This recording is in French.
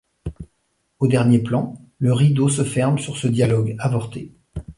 Au dernier plan, le rideau se ferme sur ce dialogue avorté.